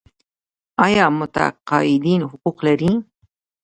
آیا متقاعدین حقوق لري؟